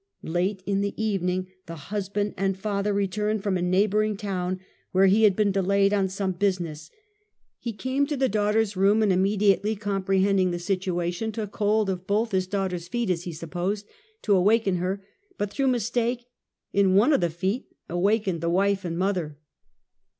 Late in the evening the husband and father returned from a neighboring town where he had been delayed on some business. He came to the daughter's room and immediately comprehending the situation took hold of both his daughter's feet (as he supposed) to awaken her, but through mistake in one of the feet awakened the wife and mother.